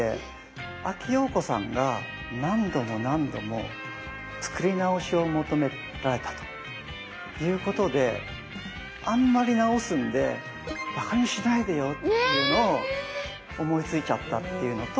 阿木燿子さんが何度も何度も作り直しを求められたということであんまり直すんで馬鹿にしないでよっていうのを思いついちゃったっていうのと。